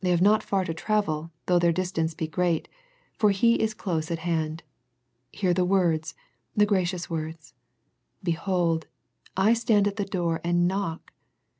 They have not far to travel, though their distance be great, for He is close at hand. Hear the words, the gracious words, " Behold, I stand at the door and knock?